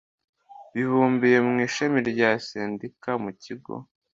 Bibumbiye mu ishami rya sendika mu kigo